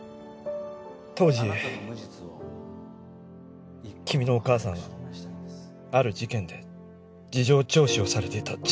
当時君のお母さんはある事件で事情聴取をされていた。